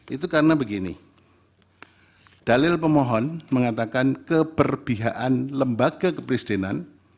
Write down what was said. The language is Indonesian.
itu karena begini dalil pemohon mengatakan keperbihaan lembaga kepresidenan